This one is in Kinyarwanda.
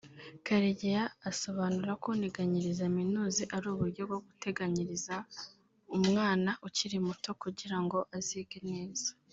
Karegeya asobanura ko Nteganyiriza Minuze ari uburyo bwo guteganyiriza umwana ukiri muto kugira ngo azige neza